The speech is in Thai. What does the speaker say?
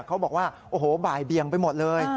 เขาบอกว่าโอ้โหบ่ายเบียงไปหมดเลย